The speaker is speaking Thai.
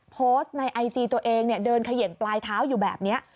โพสต์ในไอจีตัวเองเดินเขย่งปลายเท้าอยู่แบบนี้